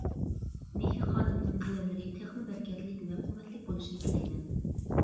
مېھرى خانىمنىڭ قەلەملىرى تېخىمۇ بەرىكەتلىك ۋە قۇۋۋەتلىك بولۇشىنى تىلەيمەن.